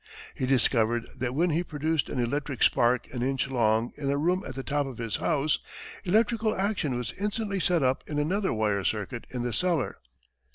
He discovered that when he produced an electric spark an inch long in a room at the top of his house, electrical action was instantly set up in another wire circuit in the cellar.